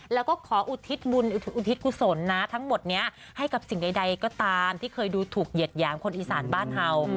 แล้วก็ขออุทิศบุญอุทิศกุศลนะทั้งหมดนี้ให้กับสิ่งใดก็ตามที่เคยดูถูกเหยียดหยามคนอีสานบ้านเห่า